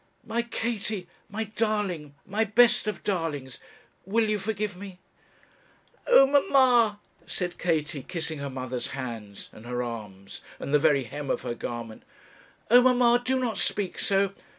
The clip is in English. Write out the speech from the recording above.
My Katie, my darling, my best of darlings will you forgive me?' 'Oh, mamma,' said Katie, kissing her mother's hands, and her arms, and the very hem of her garment, 'oh, mamma, do not speak so.